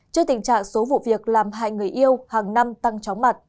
trước tình trạng số vụ việc làm hại người yêu hàng năm